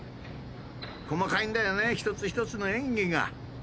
細かいんだよね一つ一つの演技が。